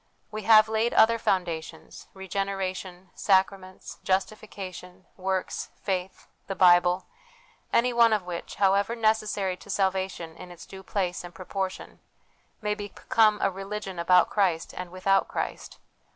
We have laid other foundations regeneration, sacraments, justification, works, faith, the Bible any one of which, however necessary to salvation in its due place and proportion, may become a religion about Christ and without Christ.